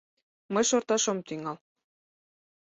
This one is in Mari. Мый шорташ ом тӱҥал.